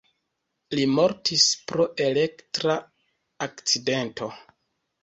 Li mortis pro elektra akcidento.